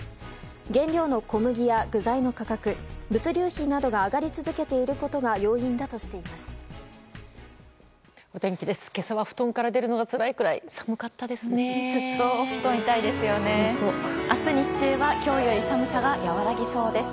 原料の小麦や具材の価格物流費などが上がり続けていることが要因だとしています。